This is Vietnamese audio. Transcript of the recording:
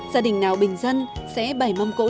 gia đình nào bình dân sẽ bảy mâm cỗ đồn